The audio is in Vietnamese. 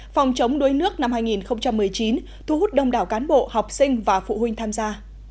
phòng chống đuối nước năm hai nghìn một mươi chín thu hút đông đảo cán bộ học sinh và phụ huynh tham gia